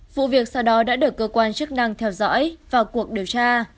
vụ việc sau đó đã được cơ quan chức năng theo dõi vào cuộc điều tra